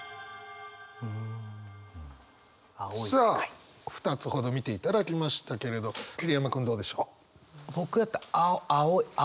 さあ２つほど見ていただきましたけれど桐山君どうでしょう。